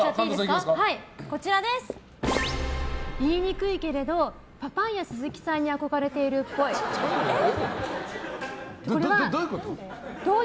言いにくいけれどパパイヤ鈴木さんに憧れているっぽい。